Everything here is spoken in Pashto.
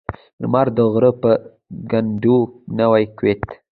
لمر د غره په کنډو نوی کېوت.